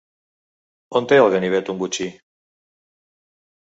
On té el ganivet un botxí?